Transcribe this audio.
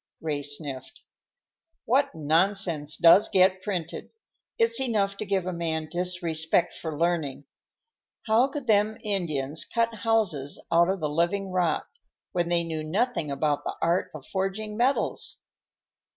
Ray sniffed. "What nonsense does get printed! It's enough to give a man disrespect for learning. How could them Indians cut houses out of the living rock, when they knew nothing about the art of forging metals?"